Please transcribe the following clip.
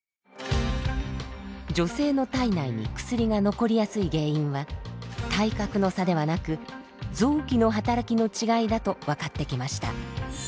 女性の体内に薬が残りやすい原因は体格の差ではなく臓器の働きの違いだと分かってきました。